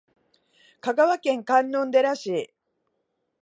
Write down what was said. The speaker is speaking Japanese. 香川県観音寺市